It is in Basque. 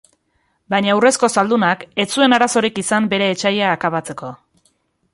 Baina urrezko zaldunak ez zuen arazorik izan bere etsaia akabatzeko.